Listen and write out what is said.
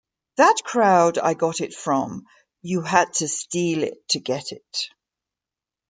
That crowd I got it from, you had to steal it to get it...